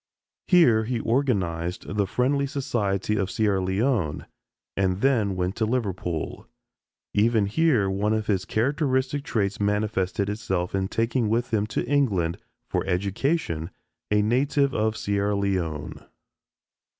Here he organized the Friendly Society of Sierra Leone and then went to Liverpool. Even here one of his characteristic traits manifested itself in taking with him to England for education a native of Sierra Leone.